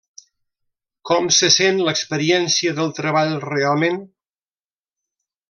Com se sent l'experiència del treball realment?